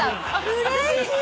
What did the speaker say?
うれしい。